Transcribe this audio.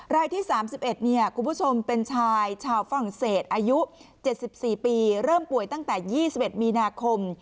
รายที่๓๑คุณผู้ชมเป็นชายชาวฝรั่งเศสอายุ๗๔ปีเริ่มป่วยตั้งแต่๒๑มีนาคม